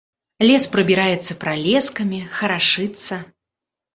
Лес прыбіраецца пралескамі, харашыцца.